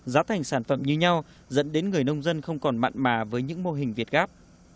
giá thành sản phẩm như nhau dẫn đến người nông dân không còn mặn mà với những mô hình việt gáp